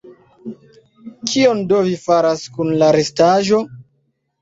Kion do vi faras kun la restaĵo?